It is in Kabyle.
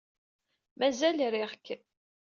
Mazal riɣ-k.